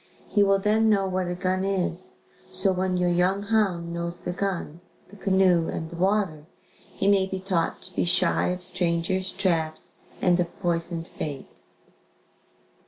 He will then know what a gun is. So when your young hound knows the gun, the canoe and water, he may be taught to be shy of strangers, traps and of poisoned baits.